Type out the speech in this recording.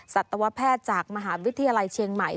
สัตวแพทย์จากมหาวิทยาลัยเชียงใหม่